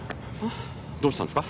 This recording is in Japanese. どうしたんですか？